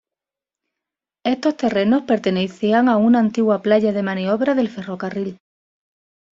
Estos terrenos pertenecían a una antigua playa de maniobras del ferrocarril.